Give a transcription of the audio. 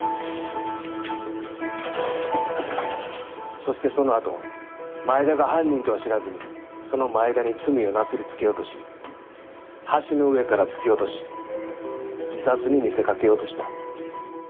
そしてそのあと前田が犯人とは知らずにその前田に罪をなすりつけようとし橋の上から突き落とし自殺に見せかけようとした。